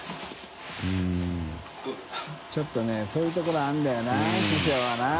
舛腓辰箸そういうところあるんだよな師匠はな。